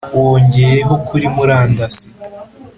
wongeyeho kuri murandasi.